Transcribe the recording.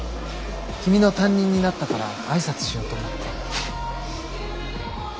君の担任になったから挨拶しようと思って。